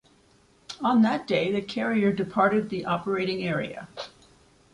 On that day, the carrier departed the operating area.